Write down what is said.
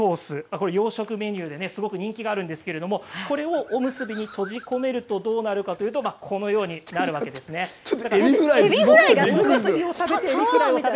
これ洋食メニューですごく人気があるんですけれどもこれをおむすびに閉じ込めるとどうなるかというとちょっとえびフライ、すごすぎて。